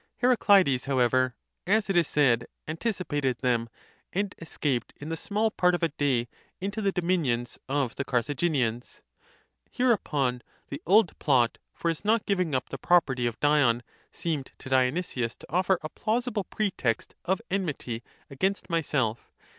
Heracleides, however, as it is said, anticipated them, and escaped in the small part of a day into the dominions of the Carthaginians. Hereupon the old plot for his not giving up the property of Dion seemed to Dionysius to offer a plausible pretext of en mity against myself.